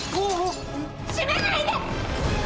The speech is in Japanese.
「閉めないで！」